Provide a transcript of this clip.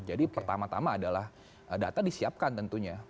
jadi pertama tama adalah data disiapkan tentunya